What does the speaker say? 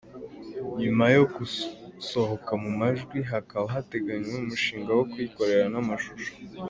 Nyuma yo gusohoka mu majwi hakaba hateganywa umushinga wo kuyikorera n’amashusho.